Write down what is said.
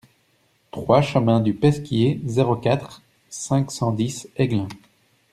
trois chemin du Pesquier, zéro quatre, cinq cent dix Aiglun